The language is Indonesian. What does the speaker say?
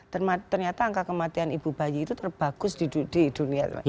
ternyata angka kematian ibu bayi itu terbagus di dunia